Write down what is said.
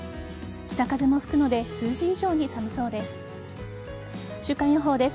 北風も吹くので数字以上に寒そうです。